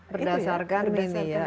berdasarkan ini ya